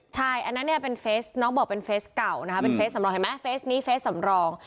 ใช่อันนั้นนี่เป็นเฟซน้องบอกว่าเก่านะครับฟรรดีเก่านี้ฟรรดีสำรอง